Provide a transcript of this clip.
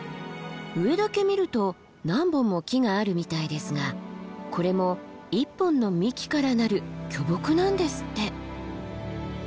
上だけ見ると何本も木があるみたいですがこれも１本の幹からなる巨木なんですって。